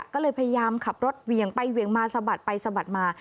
ก็เลยพยายามขับรถเหวี่ยงไปเหวี่ยงมาสะบัดไปสะบัดมา